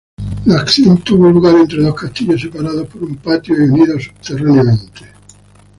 La acción tiene lugar entre dos castillos separados por un patio y unidos subterráneamente.